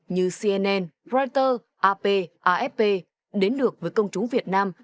như cnn reuters ap afp đến được với công chúng việt nam